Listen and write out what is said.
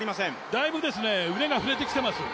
だいぶ腕が振れてきています。